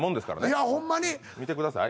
いやホンマに見てください